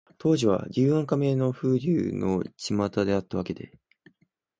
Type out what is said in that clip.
当時は、柳暗花明の風流のちまたであったわけで、